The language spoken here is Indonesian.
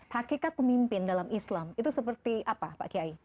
hakikat pemimpin dalam islam itu seperti apa pak kiai